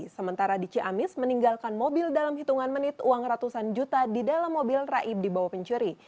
sementara di ciamis meninggalkan mobil dalam hitungan menit uang ratusan juta di dalam mobil raib di bawah pencuri